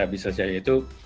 bisa jadi itu